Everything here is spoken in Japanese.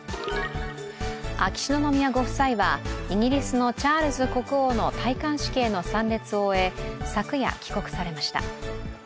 秋篠宮ご夫妻はイギリスのチャールズ国王の戴冠式への参列を終え昨夜、帰国されました。